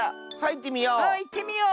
いってみよう。